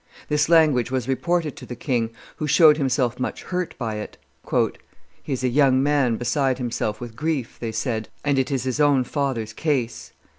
This language was reported to the king, who showed himself much hurt by it. "He is a young man beside himself with grief," they said, "and it is his own father's case."